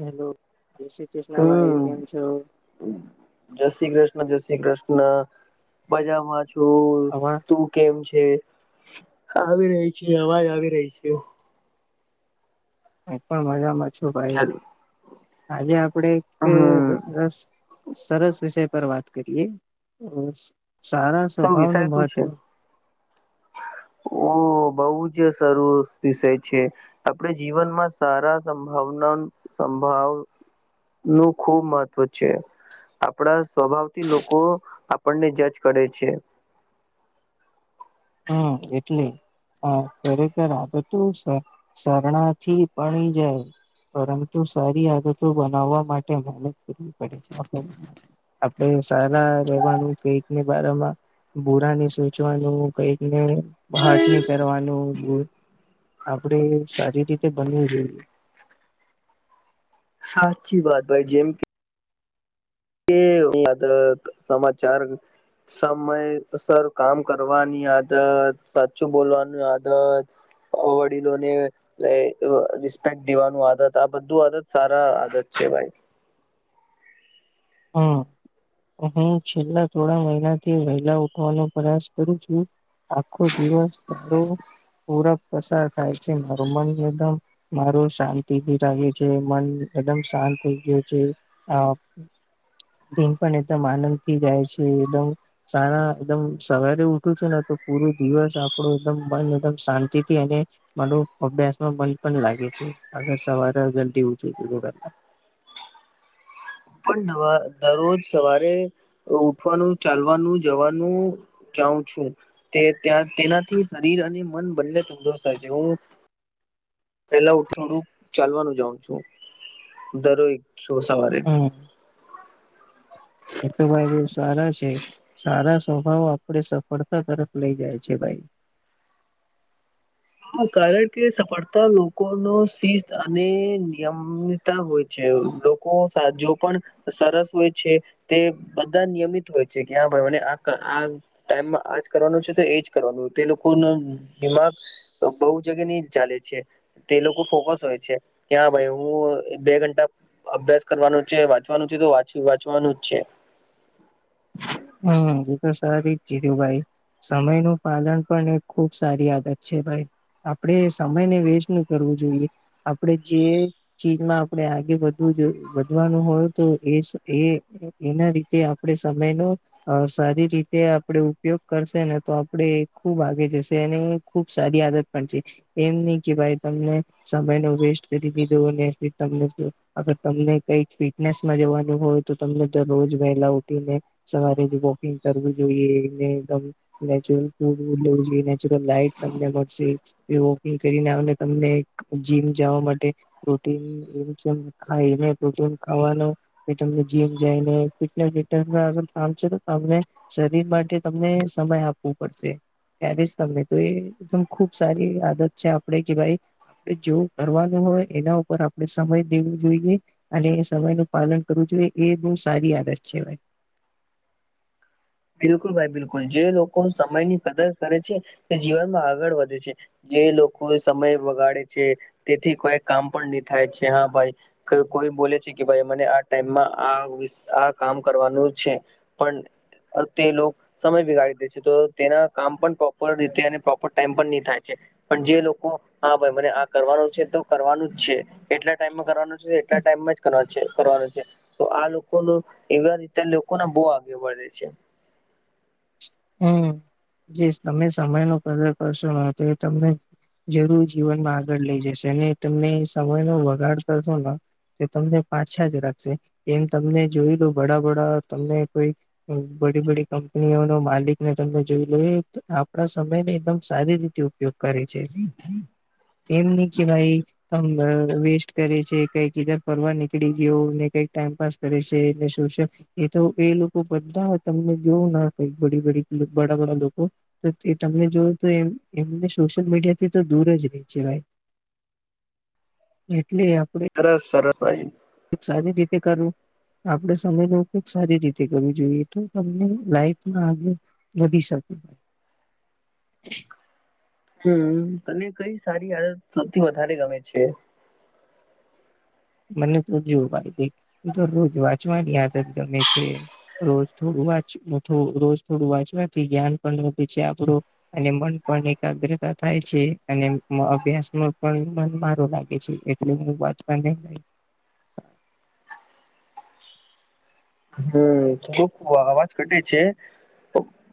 Hello જય શ્રી કૃષ્ણ ભાઈ હમ કેમ છો. જય શ્રી કૃષ્ણ જય શ્રી કૃષ્ણ મજામાં છું અવાજ તું કેમ છે આવી રહી છે અવાજ આવી રહી છે. એ પણ મજામાં છું ભાઈ ચાલો. આજે આપડે એક હમ રસ સરસ વિષય પર વાત કરીએ તો સારા શું સ્વભાવ નું વિષય શું મહત્વ. છે ઓ બોહ જ સરસ વિષય છે. આપણે જીવનમાં સારા સંભાવના સંભાવ. નું ખૂબ મહત્વ છે આપણા સ્વભાવથી લોકો આપણને જજ કરે છે હમ એટલે હા ખરેખર આગ તો સરણાથી પણી જાય પરંતુ સારી આદતો બનાવવા માટે મહેનત કરવી પડે છે આપ આપડે સારા રહેવાનું પટની બારમાં બુરાની સોચવાનું કઈકને હારટ ન કરવાનું બ આપડે સારી રીતે બનવવી જોઈએ. સાચી વાત ભાઈ જેમ કે એયા સમાચાર સમયસર કામ કરવાની આદત સાચું બોલવાની આદત વડીલોને રિસ્પેક દેવાનું આદત આ બધું આદત સારા આદત છે ભાઈ. હા હું છેલ્લા થોડા મહિના થી વહેલા ઉઠવાનો પ્રયાસ કરું છું. આખો દિવસ સારો પૂરક પસાર થાય છે મારું મન એકદમ મારું શાંતિ ભી રહે છે મન એકદમ શાંત થઈ ગયું છે. દન પણ એકદમ આનંદ થથી જાય છે એકદમ સારા એકદમ સવારે ઉઠું છેું ને તો પૂરો દિવસ આપણું એકમ મન એકદમ શાંતિ થી અને મારો અભ્યાસમાં મન પણ લાગે છે આગ સવારે જલ્દી ઉછું જુું કરલા પણ દરરોજ સવારે ઉઠવાનું ચાલવાનું જવાનું જાઉં છું તે ત્યાં તેનાથી શરીર અને મન બંને તંદુસ્ત થાય છે હું. પેલા ઉઠડું ચાલવાનું જાઉં છું દરોઈ છ સવારે હમ એ તો ભાઈ બ સારા છે. સારા સ્વભાવ આપડ સફળતા તરફ લઇ જાય છે ભાઈ. કારણ કે સફળતા લોકો ન શિસ્ત અને નિયમ હોય છે લોકો જો પણ સરસ હોય છે. તે બધા નિયમિત હોય છે કે હા ભાઈ મ આ આ ટાઈમમાં આજ કરવાનું છે તો એજ કરવાનું તે લોકો ન દિમાગ બહુ જગ્યા નની ચાલે છે. તે લોકો ફોકસ હોય છે કે હા ભાઈ હું બે ઘંટા અભ્યાસ કરવાનું છે વાંચવાનું છે તો વાં વાંચવાનું જ છે. હમ એ તો સારી જ કીધું ભાઈ સમય નું પાલન પણ એક ખુબ સારી આદત છે ભાઈ. આપણેે સમયને વેસ્ટ નું કરવું જોઈએ આપણેે જે ચીજમાં આપણે આગે વધવું જો વધવાનું હોય તો એ એ એના રીતે આપડે સમય નો અ સારી રીતે આપણે ઉપયોગ કરશે ને તો આપણેે ખૂબ આગે જશે એને ખુબ સારી આદત પણ છે એમ નહી કે ભાઈ તમને સમય નો વેસ્ટ કરી દીધો અને તમને શું. અગર તમને કઈક ફિટનેસમાં જવાનું હોય તો તમને દરરોજ વહેલા ઉઠીને સવારે વોકિંગ કરવું જોઈએનેમ નેચરલ લ નેચરલ લાઈટ તમને મળશે. વોકિંગ કરીને આને તમને જીમ જવા માટે પ્રોટીન એમ છે ખાય એને પ્રોટીન ખાવાનો જીમ જઈને ફટ આામ છે તો તમને શરીર માટે તમને સમય આપવું પડશે. ત્યારે જ તમને તો એદમ ખુબ સારી આદત છે આપડે કે ભાઈ. જો કરવાનું હોય એના ઉપર આપણેે સમય દેવો જોઈએ અને સમય ન પાલન કરવું જોઈએ એ બહુ સારી આદત છે ભાઈ. બિલકુલ ભાઈ બિલકુલ જે લોકો સમયની કદર કરે છે તે જીવનમાં આગળ વધે છે. જે લોકો સમય વગાડે છે તેથી કોઈ કામ પણ નહી થાય છે હા ભાઈ. કોઈ બોલે છે કે ભાઈ મને આ ટાઈમમાં આ આ કામ કરવાનું છે. પણ. તે લોકો. સમય બિગાડી દે છે તો તેના કામ પણ પ્રોપર રીતે અને પ્રોપર ટાઈમ પણ નહી થાય છે. પણ જે લોકો હા ભાઈ મને આ કરવાનો છે તો કરવાનું જ છે. એટલા ટાઈમમાં કરવાનો છે એટલા ટાઈમમાં જ કરવા કરવાનો છે. તો આ લોકો નો એવા રીત લોકોને બહુ આગે વધે છે. હમ જે તમે સમય ન કદર કરશો ન તો એ તમને. જરૂર જીવનમાં આગળ લઈ જશે અને તમને સમય ન વગાડ કરશો. તો તમને પાછા જ રાખશે એમ તમને જોઈ લો વડા બડા તમને કોઈ બડી બડી કંપનીઓ ન માલિક તમે જોઈ લો આપડા સમય ને એકદમ સારી રીતે ઉપયોગ કરે છે. એમ નહી કે ભાઈ [inaudible] વેસ્ટ કરે છે કઈકીધર ફરવા નીકળી ગયો ને કઈક ટાઈમપાસ કરે છે. એ તો એ લોકો બધા હો તમને જોવું ના કઈક બ બડી બડા બડા લોકો તો તમને જોવ તો એમ એમને સોશિયલ મીડિયા થી તો દૂર જ રહી છે ભાઈ. એટલે આપડૈ. સરસ સરસ ભાઈ. સારી રીતે કરવું. આપડે સમયનો ઉપયોગ સારી રીતે કરવો જોઈએ તો, તમને લાઈફમાં આ. વધી શકું. હમ તને કઈ સારી આદત સૌથી વધારે ગમે છે. મને તો જોવું ભાઈ તો રોજ વાંચવાની આ ત તમે છે. રોજ થોડું વાચું રોજ થોડું વાંચવાથી જ્ઞાન પણ વધે છે આપડુ. અને મન પણ એકાગ્રતા થાય છે. અને અભ્યાસ ન પણ મન મારું લાગે છે. હુંચ. [inaudible] હમ કુક અવાજ ઘટે છે.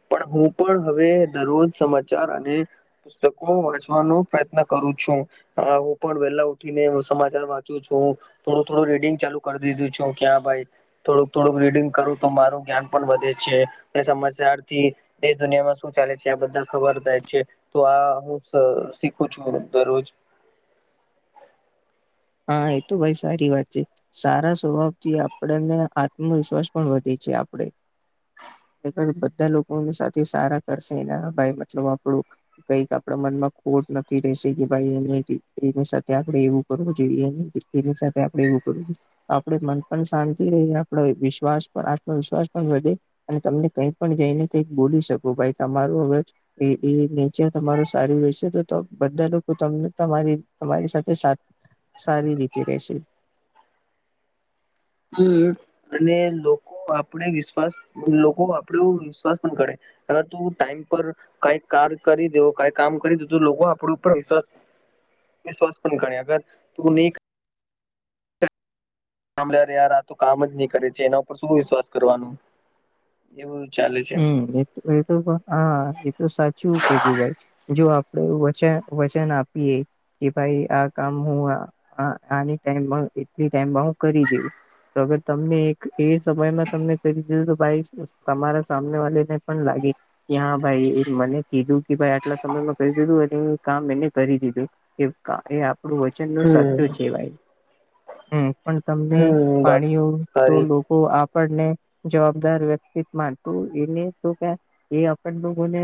પણ હું પણ હવે દરરોજ સમાચાર અને પુસ્તકો વાંચવાનો પ્રયત્ન કરું છું. હા હું પણ વેલા ઉઠી ને, હ સમાચાર વાંચું છું. થોડું થોડું રીડિંગ ચાલુ કરી દીધું છું ક્યાં ભાઈ થોડુંક થોડુંક રીડિંગ કરું તો મારું જ્ઞાન પણ વધે છે. એ સમમાચારથી દેશ દુનિયામાં શું ચાલે છે આ બધા ખબર થાય છે. તો આ હું શીખું છું દરરોજ. હા એ તો ભાઈ સારી વાત છે. સારા સ્વભાવ થી આપણેને આત્મવિશ્વાસ પણ વધે છે આપડે. એ બધા લોકો સાથે સારા કરશે એના ભાઈ મતલબ આપણું. કઈક આપડા મન માં ખોટ નથી રશે કે ભાઈ એની સાથે આપડે એવું કરું. જોઈએ ને તેની સાથે આપડે એવું કરું. આપણે મન પણ શાંતિ રહી આપ વિશ્વાસ પણ આત્મવિશ્વાસ પણ વધે. અને તમને કઈ પણ જઈને કઈક બોલી શકો ભાઈ તમારું અગર. એ એ નેચર તમારું સારું રહેશે તો બધા લોકો તમને તમારી તમારી સાથે સારી સારી રીતે રેશે. હમ અને લોકો આપડે વિશ્વાસ, લોકો આપડે વિશ્વાસ પણ કરે. અગર તું ટાઈમ પર. કઈ કાર કરી દેવ કઈ કામ કરી દે તો લોકો આપ ઉપર વિશ્વાસ. સ્થન કરે અગર તું ની સાામભળાર યાર આ તો કામ જ નની કરે છે. એના ઉપર શું વિશ્વાસ કરવાનું. એવું ચાલે. છે હમ એ એ તો હા એતો સાચું કિધું ભાઈ જો આપણેે વચન વચન આપીએ. કે ભાઈ આ કામ હું આ ટ એટ ટાઈમમાં હું કરી દેઉ. તો અગર તમને એક એ સમયમાં તમને કરી દીધું તો ભાઈ તમારા સામને વાળી ને પણ લાગી ત્યાં ભાઈ એ મને કીધું કે ભાઈ આટલા સમયમાં ક દીધું અને કામ એને કરી દીધું એ આપણું સાચો હમ છે ભાઈ હમ પણ તમને હમ વાત પાણીઓ તો સારી હું આપણને જવાબદાર વ્યક્તિતન તો એને તો ક એ આપણ લોકોને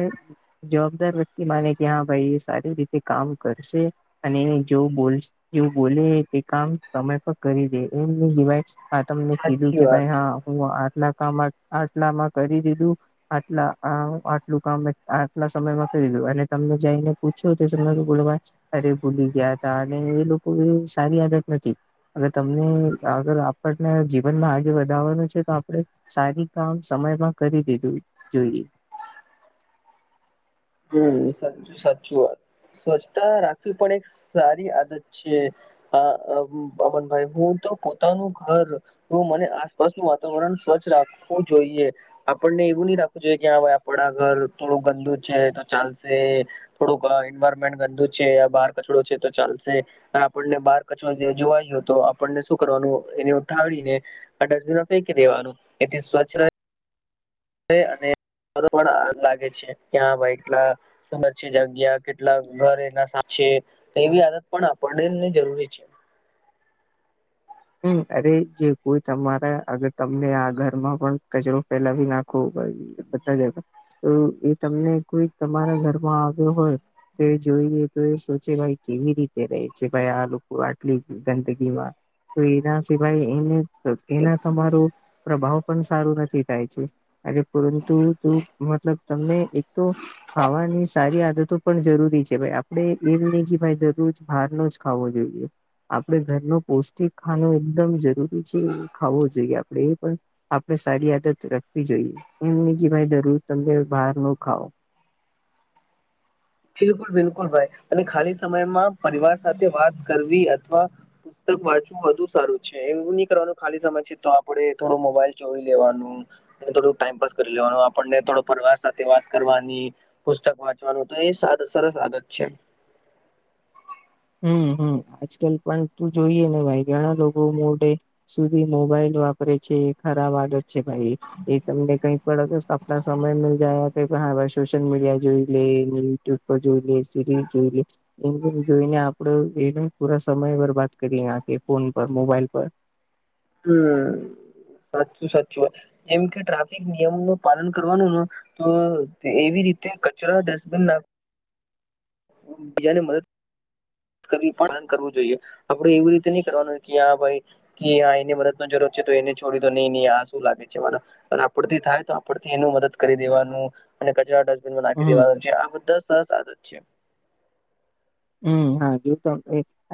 જવાબદાર વ્યક્તિ માને કે હા ભાઈ એ સારી રીતે કામ કરશે. અને જો બોલ જેવ બોલે તે કામ સમય પર કરી દે એમની દિવાઈસ આ તમને કીધું સાચી કે વાત ભાઈ હા હું આટલા કામ આટલામાં કરી દીધું આટલા આટલું કામ આટલા સમયમાં કરી દું અને તમને જઈને પૂછ્યું તે સમય બોલો અરે ભૂલી ગયા ત અને એ લોકો એ સારી આદત નથી. અ તમને અગર આપણને જીવનમાં આગે વધારવાનું છે તો આપણે સારી કામ સમયમાં કરી દીધું જોઈએ. હમ સા સાચું વાત સ્વચ્છતા રાખવી પણ એક સારી આદત છે. હા અમનભાઈ હું તો પોતાનું ઘર તો મને આસપાસનું વાતાવરણ સ્વચ્છ રાખવું જોઈએ. આપણને એવું નહી રાખવું જોઈએ કે હા ભાઈ આપડ આ ઘર થોડુંક ગંદુ છે તો ચાલશે થોડુંક એન્વાયરમેન્ટ ગંદુ છે બહાર કચડો છે તો ચાલશે આપણને બહાર કચરો જોવાયો તો આપણને શું કરવાનું એને ઉઠાવીને આ ડસ્ટબિન ફેંકી દેવાનું એથી સ્વચ્છ અને પણ લાગે છે કે હા ભાઈ એટલા સુરત છે જગ્યા કેટલા ઘર એના સા છે એવી આદત પણ આપડને જરૂરી છે. હમ અરે જે કોઈ તમારા અગર તમને આ ઘરમાં પણ કચરો ફેલાવી નાખ ભાઈ બતા જ તો એ તમને કોઈ તમારા ઘરમાં આવ્યો હોય તો જોઈએ તો એ સોચે ભાઈ કેવી રીતે રહે છે ભાઈ આ લોકો આટલી ગંદગીમાં તો એના સિવાય એને એના તમારો પ્રભાવ પણ સારું નથી થાય છે અરે પરંતુ મતલબ તમને એક તો ખાવાની સારી આદતો પણ જરૂરી છે, ભાઈ આપડે એમ નહ કે ભાઈ દરરોજ બહાર ન ખો જોઈએ આપણે ઘર ન પૌષ્ટિક ખાનું એકદમ જરૂરી છે ખાવો જોઈએ આપડે એ પણ આપડે સારી આદત રાખવી જોઈએ એમ નહી કે દરોજ તમે બહારનું ખાવ. બિલકુલ બિલકુલ ભાઈ અને ખાલી સમયમાં પરિવાર સાથે વાત કરવી અથવા પુસ્તક વાંચવું વધુ સારું છે એવું નહી કરવાનું ખાલી સમય છે તો આપડે થોડો મોબાઈલ જોઈ લેવાનું થોડુંક ટાઈમપાસ કરી લેવાનું આપણને થોડો પરિવાર સાથે વાત કરવાની પુસ્તક વાંચવાનું તો એ સરસ આદત છે. હમ હમ આજકાલ પણ તું જોઈએ ને ભાઈ ઘણા લોકો મોડે સુધી મોબાઈલ વાપરે છે એ ખરાબ આદત છે ભાઈ એ તમને કઈ પણ સમય મ જાય કે હાાઈ સોશિયલ મીડિયા જોઈ લે યુટ્યુબ પર જોઈ લે સિરીઝ જોઈ લે એ જોઈને આપડે એ પૂરા સમય બરબાદ કરીએ ફોન પર મોબાઈલ પર. હમ સાચું સાચું વાત જેમ કે ટ્રાફિક નિયમ ન પાલન કરવાનું ને તો એવી રીતે કચરા ડસ્ટબિન નાખ [inaudible] બીજાને મદદ પાલન કરવું જોઈએ આપડે એવી રીતે નઈ કરવાનું કે આ ભાઈ કે આ એની મદદ ન જરૂર છે તો એને છોડી દ તો નહી નહી આ શું લાગે છે, મારા. અને આપડથી થાય તો આપડથી એનું મદદ કરી દેવાનું. અને કચરા ડસ્ટબિન નાખી હમ દેવાનું જે આ બધા સસ આદત છે. હમ્મ હા [unintelligible]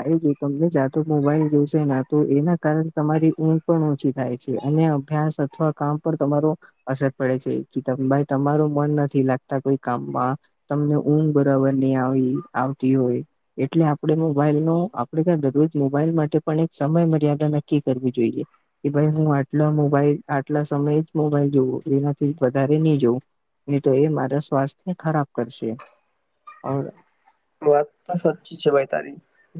આ એ જો તમને જાતો મોબાઈલ જોશેના તો એના કારણ તમારી ઊંઘ પણ ઓછી થાય. છે અને અભ્યાસ અથવા કામ પર તમારો અસર પડે છે કી ભાઈ તમારું મન નથી લાગતા કોઈ કામમાં. તમને ઊંઘ બરાબર ની આવે ઇ આવતી હોય. એટલે આપડે મોબાઈલનો આપડે ત્યાં દરરોજ મોબાઈલ માટે, પણ એક સમય મર્યાદા નક્કી કરવી જોઈએ. કે ભાઈ હું આટલો મોબાઈલ આટલા સમયે જ મોબાઈલ જોઉું એનાથી વધારે ની જોઉં ની તો એ મારા સ્વાસ્થને ખરાબ કરશે વાત તો સાચી છે, ભાઈ તારી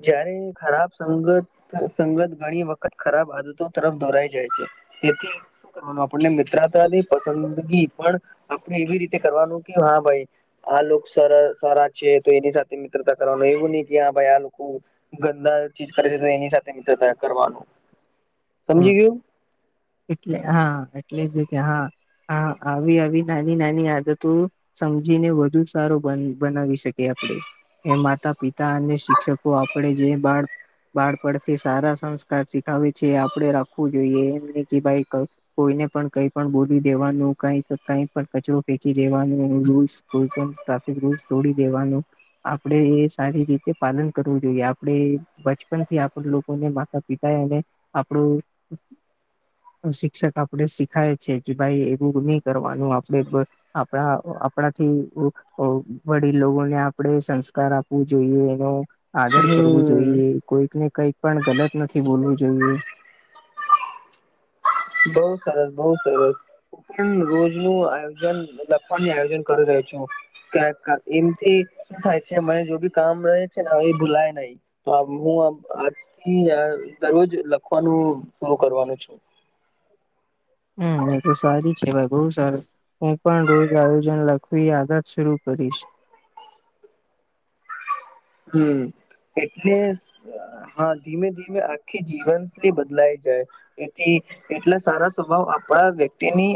જ્યારે ખરાબ સંગત ત સંગત ઘણી વખત ખરાબ આદતો તરફ દોરાઈ જાય છે, તેથી તું કરવાનું આપને મિત્રતાની પસંદગી પણ, આપડે એવી રીતે કરવાનું કે હા ભાઈ આ લોકો સર સારા છે, તો એની સાથે મિત્રતા કરવાનું એવું ની કે આ ભાઈ આ લોકો ગંદા ચીજ કરે છે, તો એની સાથે મિત્રતા કરવાનું [inaudible] સમજી ગયું. એટલે હા, એટલે ભી હા, હા આવી, આવી નાની, નાની આદતો સમજીને વધુ સારો બન બનાવી શકી આપડે. એ માતા પિતા અને, શિક્ષકો આપડે જે બાળ બાળપડથી સારા સંસ્કાર શીખાવે છે, આપડે રાખવું જોઈએ એમ ની કે ભાઈ ક કોઈને પણ કઈ પણ બોલી દેવાનું કઈ, કઈ પણ કચરો ફેંકી દેવાનું રૂસ કોઈ પણ ટ્રાફિક રૂલ્સ તોડી દેવાનું આપડે એ સારી રીતે પાલન કરવું જોઈએ આપડે એ બચપનથી આપડ લોકોને માતા, પિતા અને આપડું શિક્ષક આપણે શીખાય છે, કે ભાઈ એવું ની કરવાનું આપડે બ આપડા આપડાથી ઓઉ વડીલ લોગોને આપડે સંસ્કાર આપવું જોઈએ એનો આદર કરવું હમ જોઈએ, કોઈકને કઈક પણ ગલત નથી બોલવું જોઈએ બૌ સરસ બોઉં સરસ ઉ પણ રોજનું આયોજન લખવાની આયોજન કરી રહ્યો છું. ક્યારે કાંક એમથી શું થાય છે, મને જો ભી કામ રહે છે, ને એ ભૂલાય નહી તો, હું અમ આજથી અ દરરોજ લખવાનું શુંરું કરવાનું છું. હમ્મ, એ તો સારી છે ભાઈ બોઉ સારું હું, પણ રોજ આયોજન લખવી આદત શરૂ કરીશ હમ્મ એટલે હા ધીમે, ધીમે આખી જીવન સ્લી બદલાઈ જાય એથી, એટલા સારા સ્વભાવ આપડા વ્યક્તિની